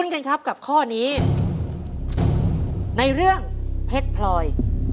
ขอบคุณกันครับกับข้อนี้ในเรื่องเผ็ดพลอย